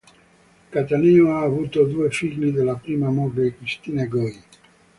Cattaneo ha avuto due figli dalla prima moglie Cristina Goi.